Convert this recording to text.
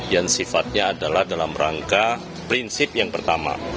yang sifatnya adalah dalam rangka prinsip yang pertama